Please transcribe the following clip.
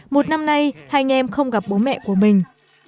một năm nay hai anh em không gặp bố mẹ của mình